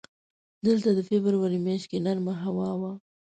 دلته د فبروري میاشت کې نرمه هوا وه.